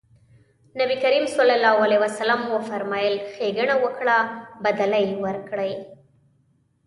نبي کريم ص وفرمایل ښېګڼه وکړه بدله يې ورکړئ.